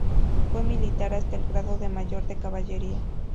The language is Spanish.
Fue militar hasta el grado de Mayor de Caballería.